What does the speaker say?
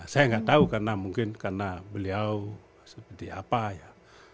saya nggak tahu karena mungkin karena beliau seperti apa ya